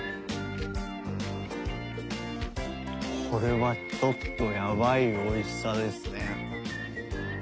これはちょっとやばいおいしさですね。